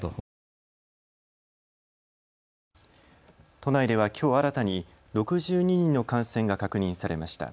都内ではきょう新たに６２人の感染が確認されました。